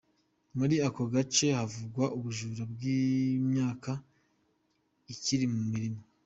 Muri ako gace havugwa ubujura bw’imyaka ikiri mu mirima.